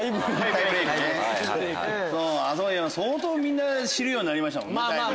相当みんな知るようになりましたもんね。